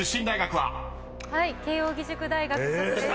慶應義塾大学卒です。